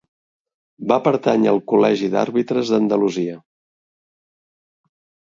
Va pertànyer al Col·legi d'Àrbitres d'Andalusia.